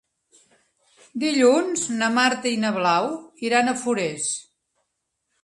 Dilluns na Marta i na Blau iran a Forès.